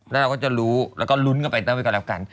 แล้วเราก็จะรู้แล้วก็ลุ้นกันไปด้วยก็แล้วกัน